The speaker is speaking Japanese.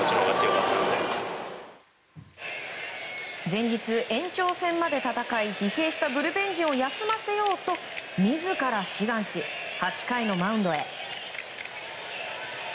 前日、延長戦まで戦い疲弊したブルペン陣を休ませようと自ら志願し８回のマウンドへ。